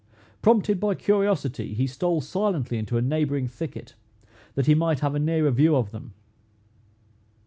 Prompted by curiosity, he stole silently into a neighboring thicket, that he might have a nearer view of them.